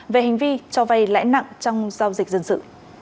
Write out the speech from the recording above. về hành vi cho vay lãi nặng trong giao dịch dân sự